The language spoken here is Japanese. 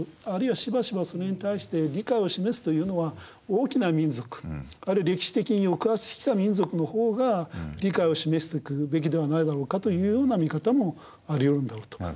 あるいはしばしばそれに対して理解を示すというのは大きな民族あるいは歴史的に抑圧してきた民族の方が理解を示していくべきではないだろうかというような見方もありうるんだろうと。